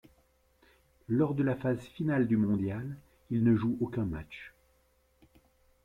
Lors de la phase finale du mondial, il ne joue aucun match.